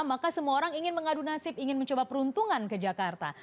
maka semua orang ingin mengadu nasib ingin mencoba peruntungan ke jakarta